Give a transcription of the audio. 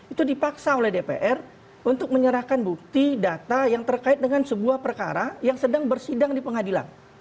itu dipaksa oleh dpr untuk menyerahkan bukti data yang terkait dengan sebuah perkara yang sedang bersidang di pengadilan